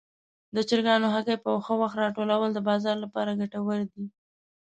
د چرګانو هګۍ په ښه وخت ټولول د بازار لپاره ګټور دي.